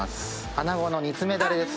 穴子の煮詰めダレです。